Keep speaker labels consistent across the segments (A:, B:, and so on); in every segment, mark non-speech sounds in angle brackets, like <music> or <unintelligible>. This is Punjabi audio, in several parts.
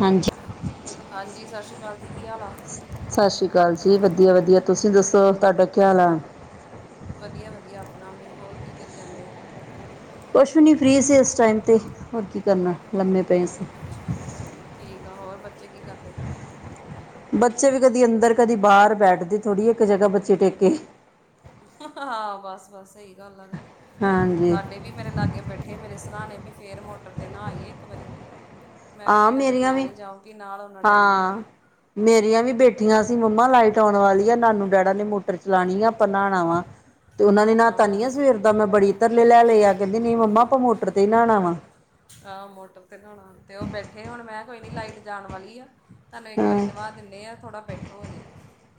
A: ਹਾਂਜੀ।
B: ਹਾਂਜੀ ਸਸ਼੍ਰੀ ਅਕਾਲ ਜੀ ਕੀ ਹਾਲ ਆ।
A: ਸਤਿ ਸ੍ਰੀ ਅਕਾਲ ਜੀ ਵਧੀਆ-ਵਧੀਆ ਤੁਸੀਂ ਦੱਸੋ ਤੁਆਡਾ ਕੀ ਹਾਲ ਐ।
B: ਵਧੀਆ-ਵਧੀਆ ਆਪਣਾ ਵੀ ਹੋਰ ਕੀ ਕਰੀ ਜਾਂਦੇ।
A: ਕੁਛ ਨੀ ਫਰੀ ਸੀ ਇਸ ਟਾਈਮ ਤੇ ਹੋਰ ਕੀ ਕਰਨਾ ਲੰਮੇ ਪਏ ਸੀ।
B: ਅੱਛਾ, ਠੀਕ ਆ ਹੋਰ ਬੱਚੇ ਕੀ ਕਰਦੇ।
A: ਬੱਚੇ ਵੀ ਕਦੀ ਅੰਦਰ ਕਦੀ ਬਾਰ ਬੈਠਦੇ ਥੋੜੀ ਇੱਕ ਜਗ੍ਹਾ ਬੱਚੇ ਟਿਕ ਕੇ।
B: ਹਾਂ ਬਸ-ਬਸ ਸਹੀ ਗੱਲ ਆ
A: ਹਾਂਜੀ
B: ਸਾਡੇ ਵੀ ਮੇਰੇ ਲਾਗੇ ਬੈਠੇ ਮੇਰੇ ਸਰਾਣੇ ਵੀ ਫਿਰ ਮੋਟਰ ਤੇ ਨਾਹ ਆਈਏ ਇੱਕ ਵਾਰੀ ਮੈਂ ਕਿਆਚ
A: ਹਾਂ
B: ਜਿੰਨਾ ਚਿਰ
A: ਮੇਰੀਆਂ
B: ਮੈਂ
A: ਵੀ
B: ਨੀ ਜਾਊਂਗੀ ਨਾਲ ਟਾਈਮ ਨਹੀਂ
A: ਹਾਂ
B: ਜਾਣਾ
A: ਮੇਰੀਆਂ ਵੀ ਬੈਠੀਆਂ ਸੀ। ਮੰਮਾ ਲਾਈਟ ਆਉਣ ਵਾਲੀ ਆ ਨਾਨੂ ਡੈਡਾ ਨੇ ਮੋਟ ਪ੍ਰਚਲਾਣੀਆਂ ਨਾਣਾ ਵਾਂ ਤੇ ਉਨੇ ਨਹਾਤਾ ਨੀ
B: ਹਾਂ
A: ਆ ਸਵੇਰ ਦਾ ਮੈਂ ਬੜੀ ਧਰਲੇ ਲੈ ਲਏ ਆ ਕਹਿੰਦੀ ਨਹੀਂ ਮੰਮਾ ਮੋਟਰ ਤੇ ਹੀ ਨਹਾਣਾ ਵਾ
B: ਆਹ ਮੋਟਰ ਤੇ ਨਹਾਨਾ ਤੇ ਓਬੈਠੇ ਹੁਣ ਮੈਂ ਕੋਈ ਨੀ ਲਾਈਟ ਜਾਣ ਵਾਲੀ ਆ। ਤੁਆਨੂੰ ਇੱਕ ਵਾਰੀ
A: ਹਾਂ
B: ਨਵਾ ਦਿੰਨੇ ਆ ਥੋੜਾ ਬੈਠੋ ਹਜੇ।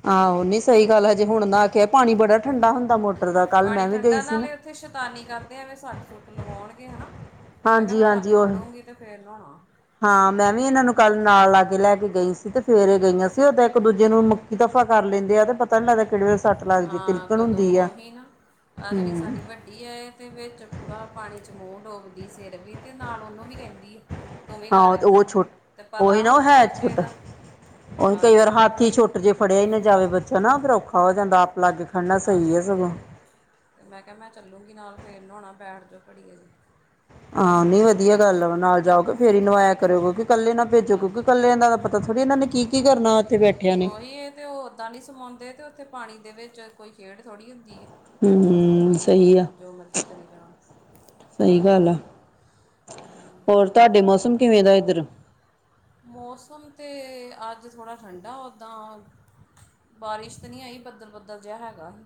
A: ਆਹੋ ਨੀ ਸਹੀ ਗੱਲ ਹਜੇ ਹੁਣ ਨਾਹ ਕੇ ਆਏ। ਪਾਣੀ ਬੜਾ ਠੰਡਾ ਹੁੰਦਾ ਮੋਟਰ ਦਾ ਕੱਲ ਮੈਂ ਵੀ ਗਈ ਸੀ ਨਾ
B: ਫਿਰ ਸ਼ੈਤਾਨੀ ਕਰਦੇ ਅਵੇ ਸੱਟ-ਸੁੱਟ ਲਵਾਉਣਗੇ ਹਨਾ। ਮੈਂ ਕਿਹਾ
A: ਹਾਂਜੀ
B: ਮੈਂ
A: ਹਾਂਜੀ
B: ਲਾਗੇ
A: ਉਹੀ
B: ਖੜੂੰਗੀ ਤੇ ਫੇਰ ਨਹੁਣਾ।
A: ਹਾਂ ਮੈਂ ਵੀ ਇਹਨਾਂ ਨੂੰ ਕੱਲ੍ਹ ਨਾਲ ਆ ਕੇ ਲੈ ਕੇ ਗਈ ਸੀ ਤੇ ਫੇਰ ਇਹ ਗਈਆਂ ਸੀ ਉਹ ਤਾਂ ਇੱਕ ਦੂਜੇ ਨੂੰ ਕੀ ਦਫ਼ਾ ਕਰ ਲੈਂਦੇ ਆ ਤੇ ਪਤਾ ਨੀ ਲੱਗ ਕਿੜ ਵ
B: ਹਾਂ ਕਦੋਂ ਉਹੀ ਨਾ ਆਹ ਜਿਹੜੀ
A: ਹਮ
B: ਸਾਡੀ ਵੱ ਦੀ ਤੇ ਵਿੱਚ ਪੂਰਾ ਪਾਣੀ ਚ ਮੂੰਹ ਡੋਬਦੀ ਸਿਰ ਵੀ ਤੇ ਨਾਲ ਉਹਨੂੰ ਵੀ ਕਹਿੰਦੀ ਆ
A: ਹਾਂ ਤੇ ਉਹ ਛੋਟ ਉਹੀ ਨਾ ਉਹ
B: ਹੁੰਦਾ
A: ਹੈ
B: ਬੱਚੇ
A: ਛੋਟਾ
B: ਦਾ
A: ਉਹੀ ਕਈ ਵਾਰ
B: ਹਾਂਜੀ
A: ਹੱਥ ਛੋਟ ਜੇ ਫੜਿਆ ਈ ਨਾ ਜਾਵੇ ਬੱਚਾ ਨਾ ਫਿਰ ਔਖਾ ਹੋ ਜਾਂਦਾ ਆਪ ਲੱਗ
B: ਹਾਂਜੀ, ਅਤੇ ਮੈਂ ਕਿਹਾ ਮੈਂ ਚੱਲੂਗੀ ਨਾਲ ਫਿਰ ਨਹਾਉਣਾ ਬੈਠ ਜਾਓ ਘੜੀਏ ਜੀ।
A: ਹਾਂ ਨੀ ਵਧੀਆ ਗੱਲ ਵਾ, ਨਾਲ ਜਾਓਗੇ ਕੇ ਫ਼ੇਰ ਨੁਵਾਇਆ ਕਰੋ, ਕਿਉਂਕਿ ਕੱਲੇ ਨਾ ਭੇਜੋ ਕਿਉਂਕਿ
B: ਹਾਂਜੀ
A: ਕੱਲੇ ਦਾ ਤਾਂ ਥੋੜ੍ਹੀ ਇਹ ਨੇ ਕੀ-ਕੀ ਕਰਨਾ ਇਥੇ ਬੈਠੇ
B: ਉਓਹੀ ਤੇ ਉਹ ਓਦਾਂ ਨਹੀਂ ਸਮਾਉਂਦੇ ਤੇ ਉੱਥੇ ਪਾਣੀ ਦੇ ਵਿੱਚ ਕੋਈ ਖੇਡ ਥੋੜੀ ਹੁੰਦੀ ਹੈ
A: ਹੂੰ ਸਹੀ ਆ
B: ਵੀ ਜੋ ਮਰਜੀ ਕਰੀ ਜਾ
A: ਸਹੀ ਗੱਲ ਆ, ਹੋਰ ਤੁਹਾਡੇ ਮੌਸਮ ਕਿਵੇਂ ਦਾ ਇੱਧਰ
B: ਮੌਸਮ ਤੇ ਅੱਜ ਥੋੜ੍ਹਾ ਠੰਡਾ ਉੱਦਾਂ ਬਾਰਿਸ਼ ਤੇ ਨਹੀਂ ਆਈ, ਬੱਦਲ ਬੱਦਲ ਜਿਆ ਹੈਗਾ ਸੀ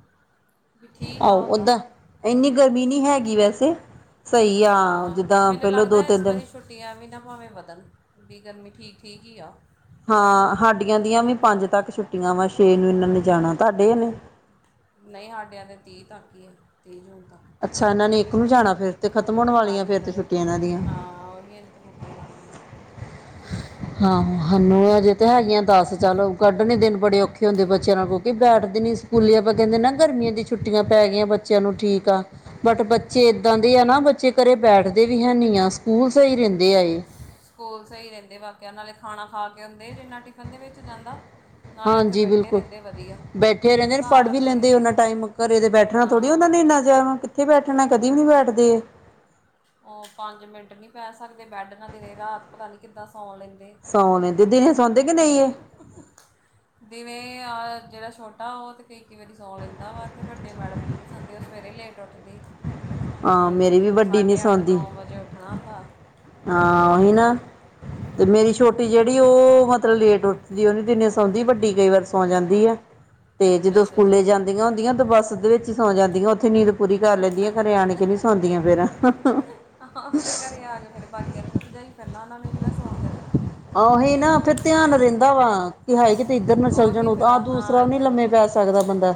B: ਵੀ ਠੀਕ ਆ
A: ਆਹੋ,
B: ਉੱਦਾਂ
A: ਓਦਾਂ ਇੰਨੀ ਗਰਮੀ ਨੀ ਹੈਗੀ ਵੈਸੇ। ਸਹੀ ਆ,
B: ਹਾਂ
A: ਜਿੱਦਾਂ
B: ਮੈਨੂੰ
A: ਪਹਿਲੋ ਦੋ
B: ਲੱਗਦਾ
A: ਤਿੰਨ
B: ਇਸ
A: ਦਿਨ
B: ਵਾਰੀ ਛੁੱਟੀਆਂ ਵੀ ਨਾ ਭਾਵੇਂ ਵਧਣ ਵੀ ਗਰਮੀ ਠੀਕ, ਠੀਕ ਹੀ ਆ।
A: ਹਾਂ ਸਾਡੀਆਂ ਦੀਆਂ ਵੀ ਪੰਜ ਤੱਕ ਛੁੱਟੀਆਂ ਵਾ ਛੇ ਨੂੰ ਇਹਨਾਂ ਨੇ ਜਾਣਾ ਤੁਹਾਡੇ ਨੇ।
B: ਨਹੀਂ ਹਾਡਿਆ ਤੇ ਤੀਹ ਤੱਕ ਹੀ ਹੈ ਤੀਹ ਜੂਨ ਤੱਕ।
A: ਅੱਛਾ ਇਹਨਾਂ ਨੇ ਇੱਕ ਨੂੰ ਜਾਣਾ ਫਿਰ ਤੇ ਖਤਮ ਹੋਣ ਵਾਲੀਆਂ
B: ਹਾਂਜੀ
A: ਫਿਰ ਤੇ
B: ਨੇ ਇੱਕ
A: ਛੁੱਟੀਆਂ ਇਹਨਾਂ
B: ਜਣਾ
A: ਦੀਆਂ।
B: ਹਾਂ ਉਹ <unintelligible> ਰੋਕਣ ਵਾਲੀਆਂ
A: ਆਹੋ ਸਾਨੂੰ ਅਜੇ ਤੇ ਹੈਗੀਆਂ ਦੱਸ ਚੱਲ ਕੱਢਣੇ ਦਿਨ ਬੜੇ ਔਖੇ ਹੁੰਦੇ ਬੱਚਿਆਂ ਨਾਲ ਕੋਉਂਕਿ ਬੈਠਦੇ ਨੀ ਸੀ ਸਕੂੱਲੇ ਆਪਾਂ ਕਹਿੰਦੇ ਨਾ ਗਰਮੀਆਂ ਦੀ ਛੁੱਟੀਆਂ ਪੈ ਗਈਆਂ ਬੱਚਿਆਂ ਨੂੰ ਠੀਕ ਆ ਬਟ ਬੱਚੇ ਏਦਾਂ ਦੇ ਆ ਨਾ ਬੱਚੇ ਘਰੇ ਬੈਠਦੇ ਵੀ ਹੈ ਨਹੀਂ ਆ ਸਕੂਲ ਸਹੀ ਰਹਿੰਦੇ ਏ।
B: ਸਕੂਲ ਸਹੀ ਰਹਿੰਦੇ ਵਾਕਿਆ ਨਾਲੇ ਖਾਣਾ ਖਾ ਕੇ ਹੁੰਦੇ ਜਿੰਨਾ ਟਿਫਨ ਦੇ ਵਿੱਚ ਜਾਂਦਾ ਨਾਲੇ ਉੱਥੇ
A: ਹਾਂਜੀ
B: ਬੈਠੇ
A: ਬਿਲਕੁਲ
B: ਰਹਿੰਦੇ ਵਧੀਆ
A: ਬੈਠੇ ਰਹਿੰਦੇ ਨੇ ਪੜ੍ਹ
B: ਘਰ
A: ਵੀ
B: ਅਤੇ
A: ਲੈਂਦੇ ਉਹਨਾ ਟਾਈਮ ਘਰੇ ਦੇ ਬੈਠੇ ਬੈਠਣਾ ਥੋੜੀੁੰ ਨਾ
B: ਹਾਂ
A: ਨੇ ਇੰਨਾ ਜਿਆਦਾ ਕਿਥ ਬੈਠਣਾ ਕਦੀ ਵੀ ਨੀ ਬੈਠਦੇ ਇਹ।
B: ਉਹ ਪੰਜ ਮਿੰਟ ਨੀ ਪੈ ਸਕਦੇ, ਬੈਡ ਨਾਲ ਦਿਨ ਰਾਤ ਪਤਾ ਨੀ ਕਿੱਦਾਂ ਸੌਉਣ ਲੈਂਦੇ
A: ਸੌਂ ਲੈਂਦੇ ਦਿਨੇ ਸੌਂਦੇ ਕਿ
B: ਤੇ
A: ਨਹੀਂ ਇਹ
B: ਜਿਵੇ ਆ ਜਿਹੜਾ ਛੋਟਾ ਉਹ ਤੇ ਕਈ, ਕਈ ਵਾਰੀ ਸੌਂ ਲੈਂਦਾ ਵਾ, ਤੇ ਵੱਡੇ ਮੈਡਮ ਜੀ ਨੇ ਸਾਡੀ ਤਾ ਉਹ ਸਵੇਰੇ ਲੇਟ ਉੱਠਦੀ।
A: ਹਾਂ ਮੇਰੀ ਵੀ ਵੱ ਵਡੀ ਨੀ ਸੌਂਦੀ
B: ਨੌ ਵਜੇ ਉੱਠਣਾ ਹੁੰਦਾ ਅਤੇ
A: ਹਾਂ
B: ਫਿਰ
A: ਉਹੀ ਨਾ।
B: ਉਹਨੇ
A: ਤੇ ਮੇਰੀ ਛੋਟੀ ਜਿਹੜੀ ਉਹ ਮਤਲਬ ਲੇਟ ਉਹ ਨਹੀਂ ਦਿਨੇ ਸੌਂਦੀ ਵੱਡੀ ਕਈ ਵਾਰ ਸੌਂ ਜਾਂਦੀ ਹੈ, ਤੇ ਜਦੋਂ
B: ਅੱਛਾ ਅੱਛਾ
A: ਸਕੂਲੇ ਜਾਂ ਆਂਦੀਆਂ ਹੁੰਦੀਆਂ ਬੱਸ ਦੇ ਵਿੱਚ ਸੌ ਜਾਂਦੀਆਂ ਉੱਥੇ ਨੀਂਦ ਪੂਰੀ ਕਰ ਲੈਂਦੀਆਂ। ਘਰੇ ਆਣ ਕੇ ਨੀ ਸੌਉਂਦੀਆਂ ਫੇਰ
B: ਆਹੋ ਤੇ ਘਰੇ ਆ ਗ ਫੇਰੇ ਬਾਕੀਆਂ ਨੂੰ ਵੀ ਭਜਾਈ ਫਿਰਨਾ ਉਹਨਾਂ ਨੂੰ ਵਿਨਾ ਸੌਣ ਦੇਣਾ।
A: ਉ ਓਹੀ ਨਾ ਫੇਰ ਧਿਆਨ ਰਹਿੰਦਾ ਵਾ। ਏ ਕਿਤੇ ਇੱਧਰ ਨਾ ਚੱਲ ਜਾਣ
B: ਉਹੀ ਫਿਰ
A: ਆਹ
B: ਹਾਂ
A: ਦੂਸਰਾ ਵੀ ਨੀ
B: ਇੱਧਰ ਨਾ
A: ਲੰਮੇ
B: ਚੱਲ
A: ਪੈ
B: ਜਾਣਾ
A: ਸਕਦਾ ਬੰਦਾ।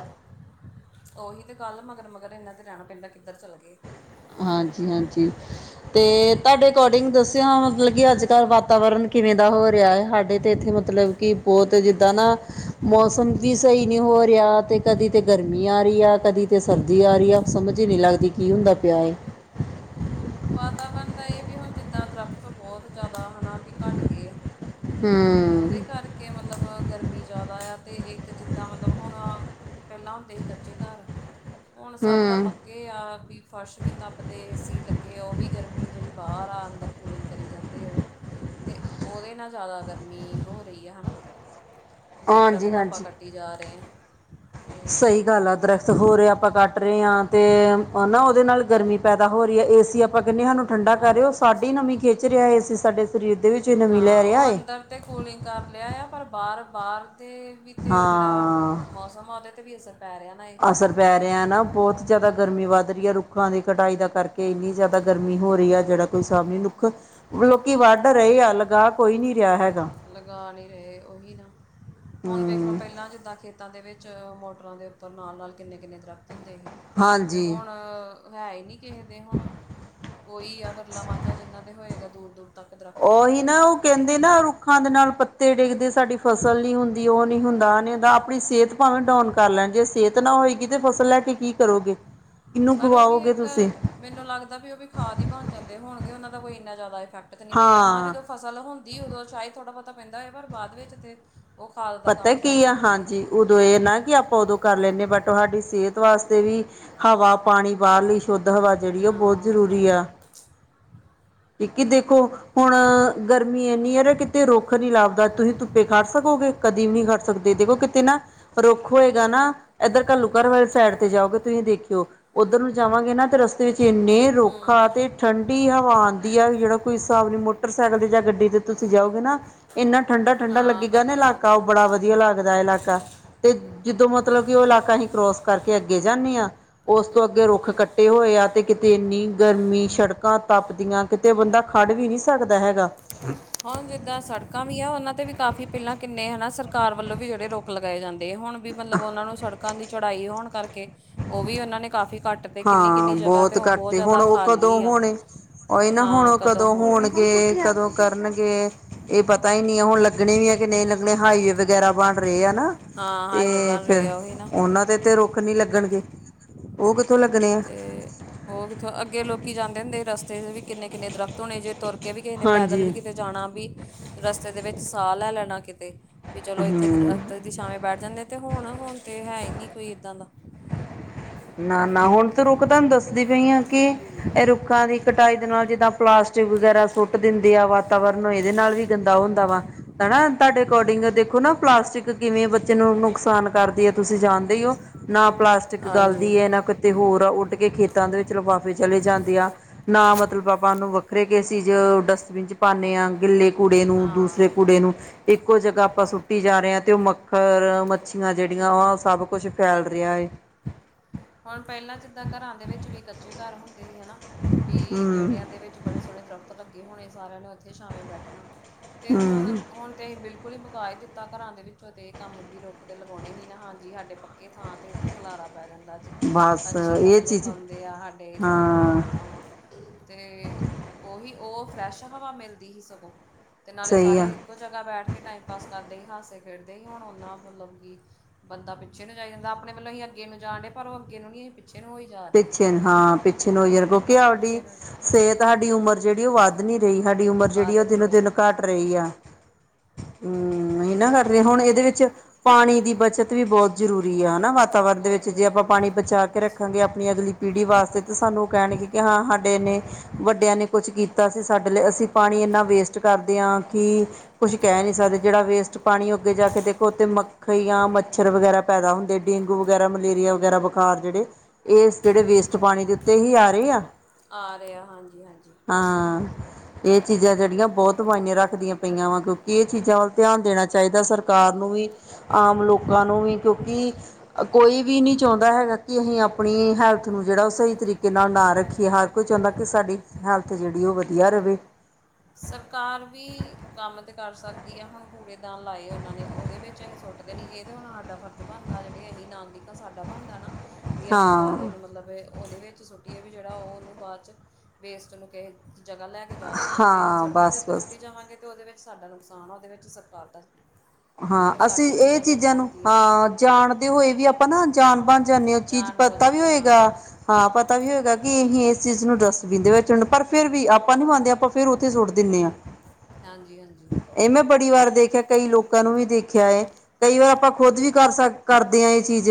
B: ਉਹੀ ਤੇ ਗੱਲ। ਮਗਰ-ਮਗਰ ਇਹਨਾਂ ਤੇ ਰਹਿਣਾ ਪੈਂਦਾ। ਕਿੱਧਰ ਚੱਲ ਗਏ?
A: ਹਾਂਜੀ, ਹਾਂਜੀ। ਅਤੇ ਤੁਹਾਡੇ ਅਕੋਡਿੰਗ ਦੱਸਿਆ, ਮਤਲਬ ਕਿ ਅੱਜ-ਕੱਲ੍ਹ ਵਾਤਾਵਰਨ। ਕਿਵੇਂ ਦਾ ਹੋ ਰਿਹਾ ਹੈ? ਸਾਡੇ ਤਾਂ ਇੱਥੇ ਮਤਲਬ ਕਿ ਬੋਤ, ਜਿੱਦਾਂ ਨਾ ਮੌਸਮ। ਵੀ ਸਹੀ ਨਹੀਂ ਹੋ ਰਿਹਾ। ਕਦੀ ਤੇ ਗਰਮੀ ਆ ਰਹੀ ਆ, ਕਦੀ ਤੇ ਸਰਦੀ ਆ ਰਹੀ ਆ। ਸਮਝ ਹੀ ਨਹੀਂ ਲੱਗਦੀ ਕੀ ਹੁੰਦਾ। ਪਿਆਏ
B: ਵਾਤਾਵਰਨ ਦਾ ਇਹ ਵੀ ਹੁਣ, ਜਿੱਦਾਂ ਦਰੱਖਤ ਬਹੁਤ ਜਾਦਾ ਹੈ ਨਾ, ਵੀ ਘੱਟ ਗਏ ਆ।
A: ਹੂੰ।
B: ਉਹਦੇ ਕਰਕੇ, ਮਤਲਬ ਗਰਮੀ ਜ਼ਿਆਦਾ ਆ। ਅਤੇ ਇੱਕ ਜਿੱਦਾਂ, ਮਤਲਬ ਹੁਣ। ਪਹਿਲਾਂ ਹੁੰਦੇ ਸੀ ਕੱਚੇ ਘਰ। ਹੁਣ ਸਭ ਤਾਂ
A: ਹੂੰ
B: ਪੱਕੇ ਆ। ਵੀ ਫਰਸ਼ ਵੀ ਤੱਪਦੇ ਸੀ, ਲੱ ਕਿ ਉਹ ਵੀ ਗਰਮੀ ਜਿਹੜੀ ਬਾਹਰ ਆ, ਅੰਦਰ ਕੂਲਿੰਗ ਕਰੀ ਜਾਂਦੇ ਉਹ। ਤੇ ਉਹਦੇ ਨਾਲ ਜ਼ਿਆਦਾ ਗਰਮੀ ਹੋ ਰਹੀ ਹੈ ਹਨਾ। ਵੀ
A: ਹਾਂਜੀ
B: ਦਰਖਤ ਆਪਾਂ
A: ਹਾਂਜੀ
B: ਕੱਟੀ ਜਾ ਰਹੇ ਹਾਂ ਆ ਤੇ
A: ਜਿਆਦਾ ਦਰਖਤ ਸਗੋਂ ਆਪਾਂ ਕੱਟ ਰਹੇ ਹਾਂ ਤੇ ਨਾ ਉਹਦੇ ਨਾਲ ਗਰਮੀ ਪੈਦਾ ਹੋ ਰਹੀ ਹੈ। ਇਸ ਅਸੀਂ ਆਪਾਂ ਕਹਿੰਦੇ ਹ ਸਾਨੂੰ
B: ਗਰਮੀ
A: ਠੰਡਾ ਕਰ ਰਹੇ ਹੋ
B: ਹਾਂਜੀ
A: ਸਾਡੀ ਨਵੀਂ ਖਿੱਚ ਰਿਹਾ ਹੈ, ਅਸੀਂ ਸਾਡੇ ਸਰੀਰ ਦੇ ਵਿੱਚ ਹੀ ਨਵੀਂ
B: ਹਾਂ
A: ਲੈ ਰਿਹਾ
B: ਉਹ
A: ਹੈ।
B: ਅੰਦਰ ਤੇ ਕੁਲਿੰਗ ਕਰ ਲਿਆ ਆ ਪਰ ਬਾਹਰ, ਬਾਹਰ ਦੇ ਵੀ ਤੇ ਉਹ ਜਿਹੜਾ
A: ਹਾਂ
B: ਮੌਸਮ ਉਹਦੇ ਤੇ ਵੀ ਅਸਰ ਪੈ ਰਿਹਾ। ਨਾ ਇਹ ਚੀਜ਼ਾਂ
A: ਅਸਰ
B: ਦਾ
A: ਪੈ ਰਿਹਾ ਨਾ ਬਹੁਤ ਜਿਆਦਾ ਗਰਮੀ ਵੱਧ ਰਹੀ ਹੈ, ਰੁੱਖਾਂ ਦੀ ਕਟਾਈ ਦਾ ਕਰਕੇ ਇੰਨੀ ਜ਼ਿਆਦਾ ਗਰਮੀ ਹੋ ਰਹੀ ਹੈ ਜਿਹੜਾ ਕੋਈ ਹਿਸਾਬ ਨਹੀਂ ਰੁੱਖ ਲੋਕੀ ਵੱਢ ਰਹੇ ਆ ਲਗਾ ਕੋਈ ਨੀ ਰਿਹਾ ਹੈਗਾ।
B: ਲਗਾ ਨਹੀਂ ਰਹੇ ਉਹੀ ਨਾ ਹੁਣ ਵੇਖ ਸ ਤੋਂ
A: ਹੂੰ
B: ਪੈਲਾਂ, ਜਿੱਦਾਂ ਖੇਤਾਂ ਦੇ ਵਿੱਚ ਮੋਟਰਾਂ ਦੇ ਉੱਪਰ ਨਾਲ-ਨਾਲ ਕਿੰਨੇ-ਕਿੰਨੇ ਦਰਖ਼ਤ ਹੁੰਦੇ ਸੀ। ਅਤੇ
A: ਹਾਂਜੀ
B: ਹੁਣ? ਹੈ ਹੀ ਨੀ। ਕਿਸੇ ਦੇ ਹੁਣ ਕੋਈ ਆ ਵਿਰਲਾ ਵਾਂਝਾ, ਜਿਨਾਂ ਦੇ ਹੋਏਗਾ ਦੂਰ-ਦੂਰ ਤੱਕ। ਦਰਖਤ ਹੀ ਨਹੀਂ
A: ਓਹੀਨਾ,
B: ਦਿਖਦੇ
A: ਉਹ। ਕੈਂਦੇ ਨਾ, ਰੁੱਖਾਂ ਦੇ ਨਾਲ ਪੱਤੇ ਡਿੱਗਦੇ, ਸਾਡੀ ਫਸਲ ਨਹੀਂ ਹੁੰਦੀ। ਉਹ ਨੀ ਹੁੰਦਾ, ਆਹ ਨੀ ਹੁੰਦਾ ਆਪਣੀ ਸੇਤ। ਭਾਵੇਂ ਡਾਨ ਕਰ ਲੈਣ। ਜੇ ਸਿਹਤ ਨਾ ਹੋਏਗੀ, ਤੇ ਫਸਲ ਲੈ ਕੇ ਕੀ ਕਰੋਗੇ? ਕਿਹਨੂੰ
B: ਪਰ ਉਹ ਵੀ
A: ਖਵਾਓਗੇ
B: ਇੱਕ
A: ਤੁਸੀਂ?
B: ਮੈਨੂੰ ਲੱਗਦਾ ਵੀ ਉਹ ਵੀ ਖਾਦ ਹੀ ਬਣ ਜਾਂਦੇ ਹੋਣਗੇ। ਉਹਨਾਂ ਦਾ ਕੋਈ ਇੰਨਾ ਜ਼ਿਆਦਾ ਇਫੈਕਟ ਤਾਂ ਨਹੀਂ ਪੈਂਦਾ। ਹਾਂ, ਜਦੋਂ ਫ਼ਸਲ ਹੁੰਦੀ ਉਦੋਂ ਚਾਹੇ ਥੋੜਾ- ਬੋੜਾ ਪੈਂਦਾ ਹੋਆ, ਪਰ ਬਾਅਦ ਵਿੱਚ ਤਾਂ ਉਹ ਖਾਦ ਦਾ
A: ਪਤਾ
B: ਕੰਮ ਹੀ ਕਰ
A: ਕੀ ਆ
B: ਸਕਦੀ ਹੈ।
A: ਹਾਂਜੀ ਉਦੋਂ ਇਹ ਨਾ, ਕਿ ਆਪਾਂ ਉਦੋਂ ਕਰ ਲੈਂਦੇ ਹਾਂ। ਬਟ ਸਾਡੀ ਸੇਤ ਵਾਸਤੇ ਵੀ। ਹਵਾ, ਪਾਣੀ, ਬਾਹਰ ਲਈ ਸ਼ੁੱਧ ਹਵਾ, ਜਿਹੜੀ ਉਹ ਬਹੁਤ
B: ਹਾਂ
A: ਜ਼ਰੂਰੀ ਆ।
B: ਚਾਹੀਦਾ
A: ਇੱਕ ਦੇਖੋ, ਹੁਣ ਗਰਮੀ ਇੰਨੀ ਹੈ ਕਿ ਤੇ ਰੁੱਖ ਨੀ ਲੱਭਦਾ, ਤੁਸੀਂ ਧੁੱਪੇ ਖੜ ਸਕੋਗੇ? ਕਦੀ ਵੀ ਨਹੀਂ ਖੜ ਸਕਦੇ। ਦੇਖੋ ਕਿਤੇ ਨਾ। ਰੁੱਖ ਹੋਏਗਾ ਨਾ। ਇੱਧਰ ਘੱਲੂ ਘਰ ਵਾਲੀ ਸਾਈਡ ਤੇ ਜਾਓਗੇ ਤੁਸੀਂ, ਦੇਖਿਓ। ਉੱਧਰ ਨੂੰ ਜਾਵਾਂਗੇ ਨਾ, ਤੇ ਰਸਤੇ ਵਿੱਚ ਇੰਨੇ
B: ਹੂੰ
A: ਰੁੱਖ,
B: ਹੂੰ
A: ਤੇ ਠੰਢੀ ਹਵਾ। ਵਧੀਆ ਜਿਹੜਾ ਕੋ ਹਿਸਾਬ ਨਹੀਂ। ਮੋਟਰਸਾਈਕਲ 'ਤੇ ਜਾਂ ਗੱਡੀ 'ਤੇ ਤੁਸੀਂ ਜਾਓਗੇ ਨਾ। ਇੰਨਾ ਠੰਡਾ ਠੰਡਾ
B: ਹਾਂ
A: ਲੱਗੇਗਾ ਨਾ।
B: ਵਧੀਆ
A: ਇਲਾਕਾ ਉਹ
B: ਲੱਗਦਾ
A: ਬੜਾ ਵਧੀਆ ਲੱਗਦਾ, ਇਲਾਕਾ। ਤੇ ਜਿਦੋਂ ਮਤਲਬ ਕਿ ਉਹ ਇਲਾਕਾ ਅਸੀਂ ਕਰੋਸ ਕਰਕੇ ਅੱਗੇ ਜਾਂਦੇ ਹਾਂ। ਉਸ ਤੋਂ ਅੱਗੇ ਰੁੱਖ ਕੱਟੇ ਹੋਏ ਆ। ਤੇ ਕਿਤੇ ਇੰਨੀ ਗਰਮੀ, ਸੜਕਾਂ ਤਪਦੀਆਂ। ਕਿਤੇ ਬੰਦਾ ਖੜ ਵੀ ਨੀ ਸਕਦਾ ਹੈਗਾ।
B: ਹੁਣ ਜਿੱਦਾਂ ਸੜਕਾਂ ਵੀ ਆ, ਉਹਨਾਂ ਤੇ ਵੀ ਕਾਫ਼ੀ ਪਹਿਲਾਂ ਕਿੰਨੇ ਹਨਾ, ਸਰਕਾਰ ਵੱਲੋਂ ਵੀ ਜਿਹੜੇ ਰੋਕ ਲਗਾਏ ਜਾਂਦੇ। ਹੁਣ ਵੀ ਮਤਲਬ ਉਹਨਾਂ ਨੂੰ ਸੜਕਾਂ ਦੀ ਚੜ੍ਹਾਈ ਹੋਣ ਕਰਕੇ, ਉਹ ਵੀ ਉਹਨਾਂ ਨੇ ਕਾਫ਼ੀ ਘੱਟ। ਤੇ ਕਿੰਨੀ
A: ਹਾਂ
B: ਕਿੰਨੀ ਜਗ੍ਹਾ 'ਤੇ
A: ਬਹੁਤ
B: ਉਹ
A: ਘੱਟ
B: ਬੋਤ ਜਾਦਾ
A: ਹੁਣ ਉਹ ਕਦੋਂ
B: ਖਾਲੀ ਆ।
A: ਹੋਣੇ ਉਹੀ ਨਾ ਹੁਣ
B: ਹਾਂ,
A: ਉਹ
B: ਕਦੋਂ ਹੋਣਗੇ?
A: ਕਦੋਂ ਕਰਨਗੇ, ਇਹ ਪਤਾ ਹੀ ਨਹੀਂ ਹੈ। ਹੁਣ ਲੱਗਣੇ ਵੀ ਹੈ ਕਿ ਨਹੀਂ, ਹਾਈਵੇ? ਵਗੈਰਾ ਬਣ ਰਹੇ ਆ ਨਾ,
B: ਹਾਂ ਹਾਈਵੇ
A: ਤੇ
B: ਬਣ ਰਹੇ
A: ਫੇਰ
B: ਆ ਉਹੀ ਨਾ
A: ਉਹਨਾਂ ਦੇ ਤੇ ਰੁ ਰੂਖ ਨੀ, ਲੱਗਣਗੇ ਉਹ ਕੁ
B: ਤੇ ਹੋਰ ਕਿੱਥੋਂ ਅੱਗੇ ਲੋਕੀ ਜਾਂਦੇ ਹੁੰਦੇ? ਰਸਤੇ 'ਚ ਵੀ ਕਿੰਨੇ-ਕਿੰਨੇ ਦਰਖਤ ਹੋਣੇ। ਜੇ ਤੁਰ ਕੇ ਵੀ ਕਿਸੇ ਨੇ ਪੈਦਲ ਵੀ
A: ਹਾਂਜੀ
B: ਕਿਤੇ ਜਾਣਾ, ਤਾਂ ਰਸਤੇ ਦੇ ਵਿੱਚ ਸਾਹ ਲੈ ਲੈਣਾ ਕਿਤੇ। ਵੀ ਚਲੋ ਇੱਥੇ
A: ਹਮ
B: ਦਰੱਖਤ ਦੀ ਛਾਵੈ ਬੈਠ ਜਾਂਦੇ ਆ ਤੇ ਹੁਣ ਹੁਣ ਤੇ ਹੈ ਹੀ ਨੀ ਕੋਈ ਇੱਦਾਂ ਦਾ
A: ਨਾ ਨਾ ਹੁਣ ਤੂੰ ਰੁੱਖ ਤੁਹਾਨੂੰ ਦੱਸਦੀ ਪਈ ਆ ਕਿ ਇਹ ਰੁੱਖਾਂ ਦੀ ਕਟਾਈ ਦੇ ਨਾਲ ਜਿੱਦਾਂ ਪਲਾਸਟਿਕ ਵਗੈਰਾ ਸੁੱਟ ਦਿੰਦੇ ਆ ਵਾਤਾਵਰਨ ਇਹਦੇ ਨਾਲ ਵੀ ਗੰਦਾ ਹੁੰਦਾ ਵਾ ਹੈ ਨਾ ਤੁਹਾਡੇ ਅਕੋਰਡਿੰਗ ਦੇਖੋ ਨਾ ਪਲਾਸਟਿਕ ਕਿਵੇਂ ਬੱਚੇ ਨੂੰ ਨੁਕਸਾਨ ਕਰਦੀ ਹੈ ਤੁਸੀਂ ਜਾਣਦੇ ਹੋ ਨਾ ਪਲਾਸਟਿਕ
B: ਹਾਂਜੀ
A: ਗਲਦੀ ਹੈ ਨਾ ਕਿਤੇ ਹੋਰ ਆ ਉੱਡ ਕੇ ਖੇਤਾਂ ਦੇ ਵਿੱਚ ਲਿਫਾਫੇ ਚਲੇ ਜਾਂਦੇ ਆ ਨਾ ਮਤਲਬ ਆਪਾਂ ਉਹਨੂੰ ਵੱਖਰੇ ਕਿਸ ਅਸੀਜ਼ ਡਸਟਬਿਨ ਚ ਪਾਉਂਦੇ ਹਾਂ ਗਿੱਲੇ ਕੁੜੇ ਨੂੰ ਦੂਸਰੇ
B: ਹਾਂ
A: ਕੁੜੇ ਨੂੰ ਇੱਕੋ ਜਗ੍ਹਾ ਆਪਾਂ ਸੁੱਟੀ ਜਾ ਰਹੇ ਹਾਂ ਤੇ ਉਹ ਮੱਖਰ ਮੱਛੀਆਂ ਜਿਹੜੀਆਂ ਵ ਸਭ ਕੁਛ ਫੈਲ ਰਿਹਾ ਹੈ
B: ਹੁਣ ਪਹਿਲਾਂ ਜਿੱਦਾਂ ਘਰਾਂ ਦੇ ਵਿੱਚ ਵੀ ਕੱਚੇ ਘਰ ਹੁੰਦੇ ਸੀ ਹਨਾ ਵੀ
A: ਹਮ
B: ਬੇਹੜਿਆਂ ਦੇ ਵਿੱਚ ਬੜੇ ਸੋਣੇ ਦਰਖਤ ਲੱਗੇ ਹੋਣੇ। ਸਾਰਿਆਂ ਨੇ ਉੱਥੇ ਛਾਮੇ ਬੈਠਣਾ। ਤੇ ਹੁਣ
A: ਹੂੰ
B: ਹੁਣ ਤੇ ਅਸੀਂ ਬਿਲਕੁਲ ਹੀ ਦਿੱਤਾ ਘਰਾਂ ਦੇ ਵਿੱਚੋਂ। ਤੇ ਕੰਮ ਵੀ ਰੁੱਖ ਤੇ ਲਗਾਉਣੇ ਨੀ ਨਾ। ਹਾਂਜੀ, ਸਾਡੇ ਪੱਕੇ ਥਾਂ ਤੇ ਇੱਥੇ ਖਲਾਰਾ ਪੈ ਜਾਂਦਾ। ਜੀ,
A: ਬਸ
B: ਪੰਛੀ
A: ਇਹ
B: ਆਲਣੇ
A: ਚੀਜ਼
B: ਪਾਉਂਦੇ ਆ। ਸਾਡੇ ਏਦਾਂ ਵਾ,
A: ਹਾਂ
B: ਓਦਾਂ ਵਾ। ਤੇ, ਉਹੀ ਉਹ ਫਰੈਸ਼ ਹਵਾ ਮਿਲਦੀ ਸੀ। ਸਗੋਂ, ਤੇ ਨਾਲੇ
A: ਸਹੀ ਆ
B: ਸਾਰੇ ਕੁਝ ਜਗ੍ਹਾ ਬੈਠ ਕੇ ਟੈਮ ਪਾਸ ਕਰਦੇ, ਹਾਸਦੇ ਖੇਡਦੇ ਸੀ। ਹੁਣ ਉਹਨਾਂ, ਮਤਲਬ ਕਿ ਬੰਦਾ ਪਿੱਛੇ ਨੂੰ ਜਾਣੀ ਜਾਂਦਾ ਆ, ਆਪਣੇ ਵੱਲੋਂ ਅਸੀਂ ਅੱਗੇ ਨੂੰ ਜਾਣ ਡੇ, ਪਰ ਉਹ ਅੱਗੇ ਨੂੰ ਨੀ, ਪਿੱਛੇ ਨੂੰ ਹੋਈ। ਜਾ ਰਹੇ
A: ਪਿੱਛੇ ਹਾਂ, ਪਿੱਛੇ ਹੋਈ ਜਾ।
B: ਹਾਂ
A: ਕਿਉਂਕਿ ਸਾਡੀ
B: ਪਿੱਛੇ ਨੂੰ
A: ਸਿਹਤ, ਸਾਡੀ ਉਮਰ ਜਿਹੜੀ ਉਹ ਵੱਧ ਵੱਧ ਨੀ ਰਹੀ। ਸਾਡੀ ਉਮਰ ਜਿਹੜੀ
B: ਵਾਦ
A: ਆ, ਉਹ
B: ਨਹੀਂ
A: ਦਿਨੋਂ
B: ਰਹੀ
A: ਦਿਨ ਘੱਟ ਰਹੀ ਆ। ਹੂੰ, ਨਹੀਂ ਨਾ ਕਰਦੇ। ਹੁਣ ਇਹਦੇ ਵਿੱਚ ਪਾਣੀ ਦੀ ਬੱਚਤ ਵੀ ਬਹੁਤ ਜ਼ਰੂਰੀ ਆ, ਹਨਾ? ਵਾਤਾਵਰਨ ਦੇ
B: ਬਹੁਤ
A: ਵਿੱਚ, ਜੇ
B: ਜ਼ਰੂਰੀ
A: ਆਪਾਂ ਪਾਣੀ
B: ਹਾਂਜੀ
A: ਬਚਾ ਕੇ ਰੱਖਾਂਗੇ। ਆਪਣੀ ਅਗਲੀ ਪੀੜੀ ਵਾਸਤੇ ਤਾਂ ਸਾਨੂੰ ਉਹ ਕਹਿਣਗੇ, ਕਿ ਹਾਂ, ਸਾਡੇ ਇੰਨੇ ਵੱਡਿਆਂ ਨੇ ਕੁਛ ਕੀਤਾ ਸੀ ਸਾਡੇ ਲਈ ਅਸੀਂ ਪਾਣੀ ਇੰਨਾ ਵੇਸਟ ਕਰਦੇ ਹਾਂ ਕਿ ਕੁਝ ਕਹਿ ਨਹੀਂ ਸਕਦੇ ਜਿਹੜਾ ਵੇਸਟ ਪਾਣੀ ਅੱਗੇ ਜਾ ਕੇ ਦੇਖੋ ਉੱਥੇ ਮ ਮੱਖੀਆਂ ਮੱਛਰ ਵਗੈਰਾ ਪੈਦਾ ਹੁੰਦੇ ਡੇਂਗੂ ਵਗੈਰਾ ਮਲੇਰੀਆ ਵਗੈਰਾ ਬੁਖਾਰ ਜਿਹੜੇ ਇਹ ਜਿਹੜੇ ਵੇਸਟ ਪਾਣੀ ਦੇ ਉੱਤੇ ਹੀ ਆ ਰਹੇ ਆ
B: ਆ ਰਿਹਾ ਹਾਂਜੀ ਹਾਂਜੀ
A: ਹਾਂ ਇਹ ਚੀਜ਼ਾਂ ਜਿਹੜੀਆਂ ਬਹੁਤ ਮਾਇਨੇ ਰੱਖਦੀਆਂ। ਪਈਆਂ ਵਾ ਕਿਉਂਕਿ ਇਹ ਚੀਜ਼ਾਂ ਵੱਲ ਧਿਆਨ ਦੇਣਾ ਚਾਹੀਦਾ ਸਰਕਾਰ ਨੂੰ ਵੀ ਆਮ ਲੋਕਾਂ ਨੂੰ ਵੀ ਕਿਉਂਕਿ ਕੋਈ ਵੀ ਨਹੀਂ ਚਾਹੁੰਦਾ ਹੈਗਾ ਕਿ ਅਸੀਂ ਆਪ ਣੀ ਹੈਲਥ ਨੂੰ ਜਿਹੜਾ ਉਹ ਸਹੀ ਤਰੀਕੇ ਨਾਲ ਨਾ ਰੱਖੀਏ ਹਰ ਕੋਈ ਚਾਹੁੰਦਾ ਕਿ ਸਾਡੀ ਹੈਲਥ ਜਿਹੜੀ ਉਹ ਵਧੀਆ ਰਵੇ।
B: ਸਰਕਾਰ ਵੀ ਕੰਮ ਤੇ ਕਰ ਸਕਦੀ ਹੈ ਹੁਣ ਕੂੜੇਦਾਨ ਲਾਏ ਉਹਨਾਂ ਨੇ ਉਹਦੇ ਵਿੱਚ ਸੁੱਟਦੇ ਨਹੀਂ ਇਹ ਤਾਂ ਹੁਣ ਸਾਡਾ ਫਰਜ਼ ਬਣਦਾ ਜਿਹੜੇ ਇਹੀ ਨਾਗਿਕ ਆ ਸਾਡਾ ਬਣਦਾ ਨਾ। ਵੀ ਅਸੀਂ
A: ਹਾਂ
B: ਖਲਾਰੇ ਨੂੰ ਮਤਲਬ ਇਹ ਉਹਦੇ ਵਿੱਚ ਸੁੱਟੀਏ ਵੀ ਜਿਹੜਾ ਉਹਨੂੰ ਬਾਅਦ'ਚ ਵੇਸਟ ਨੂੰ ਕਹੇ ਜਗ੍ਹਾ ਲੈ ਕੇ ਜਾ ਸਕਦਾ। ਜੇ ਅਸੀਂ
A: ਹਾਂ
B: ਸੜਕਾਂ ਦੇ
A: ਬਸ
B: ਉੱਤੇ ਸੁੱਟੀ
A: ਬਸ
B: ਜਾਵਾਂਗੇ ਤਾਂ ਉਹਦੇ ਵਿੱਚ ਸਾਡਾ ਨੁਕਸਾਨ ਆ ਉਹਦੇ ਵਿੱਚ ਸਰਕਾਰ ਦਾ
A: ਹਾਂ
B: ਉਹ
A: ਅਸੀਂ
B: ਸਾਡੀ ਵੀ
A: ਇਹ
B: ਮਤਲਬ
A: ਚੀਜ਼ਾਂ ਨੂੰ
B: ਬਣਦੀ ਆ ਵੀ
A: ਹਾਂ ਜਾਣਦੇ ਹੋਏ ਵੀ ਆਪਾਂ ਨਾ ਜਾਨ ਬਣ ਜਾਂਦੇ ਹੋ ਚੀਜ਼
B: ਜਾਣ ਬੁੱਝ
A: ਪਤਾ ਵੀ
B: ਕੇ
A: ਹੋਏਗਾ।
B: ਹਾਂ
A: ਹਾਂ ਪਤਾ ਵੀ ਹੋਏਗਾ ਕਿ ਅਹੀ ਇਸ ਚੀਜ਼ ਨੂੰ ਡਸਬੀਨ ਦੇ ਵਿੱਚ ਪਰ ਫੇਿਰ ਵੀ ਆਪਾਂ ਨੀ ਮੰਨਦੇ ਆਪਾਂ ਫਿਰ ਉੱਥੇ ਸੁੱਟਦੇ। ਦਿੰਣੇ ਹਾਂ
B: ਹਾਂਜੀ ਹਾਂਜੀ
A: ਇਹ ਮੈਂ ਬੜੀ ਵਾਰ ਦੇਖਿਆ ਕਈ ਲੋਕ ਲੋਕਾਂ ਨੂੰ ਵੀ ਦੇਖਿਆ ਹੈ ਕਈ ਵਾਰ ਆਪਾਂ ਖੁਦ ਵੀ ਕਰ ਸਕ ਕਰਦੇ ਆ ਇਹ ਚੀਜ਼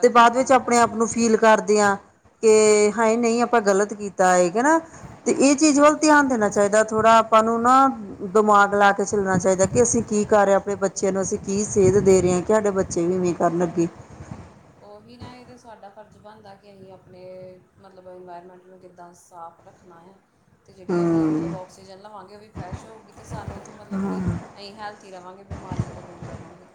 A: ਤੇ ਬਾਅਦ
B: ਆ
A: ਵਿੱਚ ਆਪਣੇ
B: ਹਾਂਜੀ
A: ਆਪ ਨੂੰ ਫੀਲ ਕਰਦਿਆਂ ਕਿ ਹਾਏ ਨਹੀਂ ਆਪਾਂ ਗਲਤ ਕੀ ਤਾਂ ਏ ਹੈਨਾ ਤੇ ਇਹ ਚੀਜ਼ ਵੱਲ
B: ਹਾਂਜੀ
A: ਧਿਆਨ ਦੇਣਾ ਚਾਹੀਦਾ ਥੋੜ੍ਹਾ ਆਪਾਂ ਨੂੰ ਨਾ ਦਿਮਾਗ ਲਾ ਕੇ ਚੱਲਣਾ ਚਾਹੀਦਾ ਕਿ ਅਸੀਂ ਕੀ ਕਰ ਰਹੇ। ਆਪਣੇ ਬੱਚਿਆਂ ਨੂੰ ਅਸੀਂ ਕੀ ਸੇਧ ਦੇ ਰਹੇ ਹਾਂ ਕਿ ਸਾਡੇ ਬੱਚੇ ਇਵੇਂ ਕਰਨ ਲੱਗੇ।
B: ਉਹੀ ਨਾ ਇਹਦੇ ਸਾਡਾ ਫਰਜ਼ ਬਣਦਾ ਕਿ ਅਸੀਂ ਆਪਣੇ ਮਤਲਬ ਇਨਵਾਇਰਮੈਂਟ ਨੂੰ ਕਿੱਦਾਂ ਸਾਫ ਰੱਖ ਰੱਖਣਾ ਆ ਅਤੇ ਜਿਹੜੀ ਅਸੀਂ ਮਤਲਬ
A: ਹਮ
B: ਔਕਸੀਜਨ ਲਵਾਂਗੇ ਉਹ ਵੀ ਫਰੈਸ਼ ਹੋਊਗੀ ਅਤੇ ਸਾਨੂੰ ਵੀ ਮਤਲਬ ਕਿ ਅਸੀਂ ਹੈਲਥੀ ਰਵਾਂਗੇ ਬਿਮਾਰੀਆਂ ਤੋਂ ਦੂਰ ਰਵਾਂਗੇ।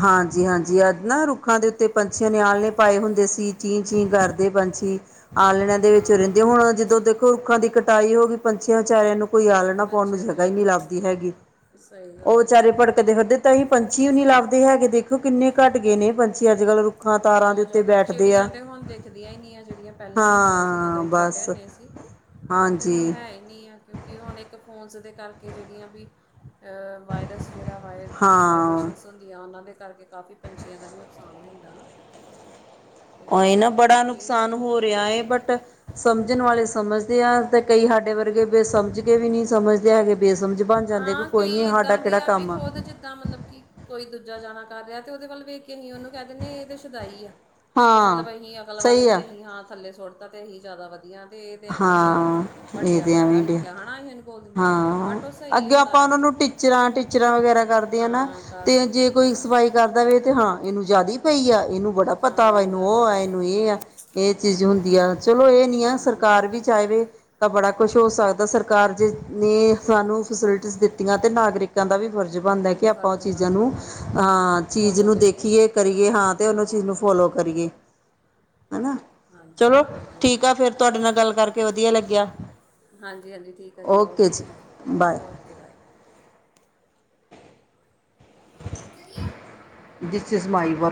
B: ਹੈ ਨਾ
A: ਹਾਂਜੀ-ਹਾਂਜੀ। ਯਾਦ ਨਾ ਰੁੱਖਾਂ ਦੇ ਉੱਤੇ ਪੰਛੀਆਂ ਨੇ ਆਲਣੇ ਪਾਏ ਹੁੰਦੇ ਸੀ ਚੀਂ- ਚੀਂ ਕਰਦੇ ਪੰਛੀ ਆਲਣਿਆਂ ਦੇ ਵਿੱਚੋਂ
B: ਹਾਂ
A: ਰਹਿੰਦੇ ਹੁਣ ਜਦੋਂ ਦੇਖੋ ਰੁੱਖਾਂ ਦੀ ਕਟਾਈ ਹੋ ਗਈ ਪੰਛੀਆਂ ਬਚਾਰਿਆ ਨੂੰ ਕੋਈ ਆਲਣਾ ਪਾਉਣ ਨੂੰ
B: ਪੰਛੀਆਂ
A: ਜਗ੍ਹਾ ਹੀ
B: ਵਿਚਾਰਿਆਂ
A: ਨਹੀਂ ਲੱਭਦੀ
B: ਨੂੰ
A: ਹੈਗੀ
B: ਸਹੀ
A: ਉਹ
B: ਗੱਲ ਆ
A: ਵਿਚਾਰੇ ਭੜਕਦੇ ਫਿਰਦੇ ਤਾਂ ਹੀ ਪੰਛੀ ਨੀ ਲੱਭਦੇ ਹੈਗੇ ਦੇਖੋ ਕਿੰਨੇ ਘੱਟ ਗਏ ਨੇ ਪੰਛੀ। ਅੱਜ ਕੱਲ੍ਹ ਰੁੱਖਾਂ ਤਾਰਾਂ ਦੇ
B: ਬਹੁਤ
A: ਉੱਤੇ
B: ਜ਼ਿਆਦਾ
A: ਬੈਠਦੇ ਆ
B: ਚਿੜੀਆਂ ਤੇ ਹੁਣ ਦੇਖਦੀਆਂ ਹੀ ਨੀ ਚਿਹੜੀਆਂ ਪਹਿਲਾਂ ਹੁੰਦੀਆਂ ਸੀ ਜਦੋਂ
A: ਹਾਂ
B: ਇਹ ਛੋਟੇ
A: ਬਸ
B: ਹੁੰਦੇ ਸੀ। ਉਹ ਤਾਂ ਹੁਣ
A: ਹਾਂਜੀ
B: ਹੈ ਹੀ ਨਹੀਂ ਆ ਕਿਉਂਕਿ ਹੁਣ ਇੱਕ ਫੋਨਸ ਦੇ ਕਰਕੇ ਜਿਹੜੀਆਂ ਵੀ ਵਾਇਰਸ ਜਿਹੜਾ ਵਾਇਯਰਸ
A: ਹਾਂ
B: ਵਾਈਬਰੇਸ਼ਨਸ ਹੁੰਦੀਆਂ ਉਹਨਾਂ ਦੇ ਕਰਕੇ ਕਾਫ਼ੀ ਪੰਛੀਆਂ ਦਾ ਵੀ ਨੁਕਸਾਨ ਹੋ ਜਾਂਦਾ ਨਾ।
A: ਉਹੀ
B: ਅਤੇ
A: ਨਾ ਬੜਾ
B: ਇਹ ਆ
A: ਨੁਕਸਾਨ
B: ਵੀ
A: ਹੋ ਰਿਹਾ ਹੈ ਬਟ ਸਮਝਣ ਵਾਲੇ ਸਮਝਦੇ ਆ ਤੇ ਕਈ ਸਾਡੇ ਵਰਗੇ ਵੀ ਸਮਝ ਕੇ ਵੀ ਨਹੀਂ ਸਮਝਦੇ ਹੈਗੇ। ਬੇਸਮਝ ਬਣ ਜਾਂਦੇ ਕਿ ਕੋਈ ਨੀ ਹਾਡਾ ਕਿਹੜਾ ਕੰਮ ਆ।
B: ਤਾਂ ਮਤਲਬ ਕਿ ਕੋਈ ਦੂਜਾ ਜਾਣਾ ਕਰ ਰਿਹਾ ਤੇ ਉਹਦੇ ਵੱਲ ਵੇਖ ਕਿਸੀ ਉਹਨੂੰ ਕਹਿ ਦਿੰਦੇ ਇਹ ਤੇ ਸ਼ਦਾਈ ਆ ਵੀ
A: ਹਾਂ
B: ਮਤਲਬ ਅਸੀਂ ਅਕਲ ਵਾਲੇ
A: ਸਹੀ
B: ਵੀ
A: ਆ
B: ਅਸੀਂ ਹਾਂ ਥੱਲੇ ਸੁੱਟ ਤਾ ਤੇ ਅਸੀਂ ਜ਼ਿਆਦਾ ਵਧੀਆ ਤੇ ਇਹ ਤੇ ਐਵੇਂ ਡਿਆ ਵ
A: ਹਾਂ ਇਹ
B: ਵੱਡਿਆ
A: ਤੇ ਐਵੇਂ ਹੀ
B: ਪੜ੍ਹਿਆ
A: ਡਿਆ
B: ਲਿਖਿਆ ਹੈਨਾ ਐਵੇਂ ਬੋਲ ਦਿੰਦੇ।
A: ਹਾਂ
B: ਬਟ ਉਹ ਸਹੀ
A: ਅੱਗੇ
B: ਹੁੰਦਾ
A: ਆਪਾਂ
B: ਆ
A: ਉਹਨਾਂ ਨੂੰ ਟੀਚਰਾਂ ਟੀਚਰਾਂ ਵਗੈਰਾ ਕਰਦੇ ਆ ਨਾ
B: ਹਾਂ
A: ਤੇ
B: ਕਰਦੇ ਆ
A: ਜੇ ਕੋਈ ਸਫਾਈ ਕਰਦਾ ਵਵੇ ਤੇ ਹਾਂ ਇਹਨੂੰ ਜ਼ਿਆਦਾ ਪਈ ਆ ਇਹਨੂੰ ਬੜਾ ਪਤਾ
B: ਹਾਂ
A: ਵਾ ਇਹਨੂੰ
B: ਜ਼ਿਆਦਾ
A: ਉਹ ਆ
B: ਪਈ
A: ਇਹਨੂੰ ਇਹ ਆ ਇਹ ਚੀਜ਼ ਹੁੰਦੀ ਆ ਚਲੋ ਇਹ ਨੀ ਆ
B: ਹਾਂਜੀ
A: ਸਰਕਾਰ ਵੀ ਚਾਹਵੇ ਤਾਂ ਬੜਾ ਕੁੱਛ ਹੋ ਸਕਦਾ ਸਰਕਾਰ ਜੇ ਨੇ ਸਾਨੂੰ ਫੈਸਿਲਿਟੀਜ਼ ਦਿੱਤੀਆਂ ਅਤੇ ਨਾਗਰਿਕਾਂ ਦਾ ਵੀ ਫਰਜ਼ ਬਣਦਾ ਕਿ ਆਪਾਂ ਉਹ
B: ਫਰਜ਼
A: ਚੀਜ਼ਾਂ
B: ਬਣਦਾ
A: ਨੂੰ
B: ਹਾਂਜੀ
A: ਹਾਂ ਚੀਜ਼
B: ਫੋਲੋ
A: ਨੂੰ
B: ਕਰੀਏ
A: ਦੇਖੀਏ ਕਰੀਏ ਹਾਂ ਤੇ ਉਹ ਚੀਜ਼ ਨੂੰ ਫੋਲੋ ਕਰੀਏ ਹਨਾ
B: ਹਾਂਜੀ
A: ਚੱਲੋ
B: ਹਾਂਜੀ ਹਾਂਜੀ
A: ਠੀਕ ਆ ਫੇਰ ਤੁਹਾਡੇ ਨਾਲ ਗੱਲ ਕਰਕੇ ਵਧੀਆ ਲੱਗਿਆ।
B: ਹਾਂਜੀ-ਹਾਂਜੀ ਠੀਕ ਆ ਜੀ ਓਕੇ ਜੀ ਓਕੇ ਬਾਏ। ਚਲੀਏ
A: ਦਿਸ ਇਜ਼ ਮਾਈ ਵਰਕ-